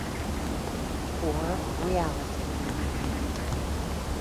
Or reality.